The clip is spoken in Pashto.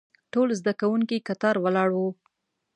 ټول زده کوونکي کتار ولاړ وو.